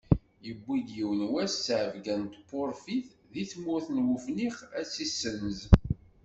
Yuwi-d yiwen wass ttɛebgga n tpurfit seg tmurt n Wefniq ad tt-yesenz.